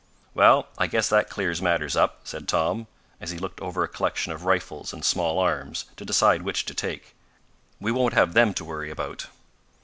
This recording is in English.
"Well, I guess that clears matters up," said Tom, as he looked over a collection of rifles and small arms, to decide which to take. "We won't have them to worry about."